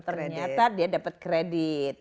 ternyata dia dapat kredit